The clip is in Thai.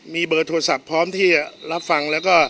มีเบอร์โทรศัพท์พร้อมที่รับฟัง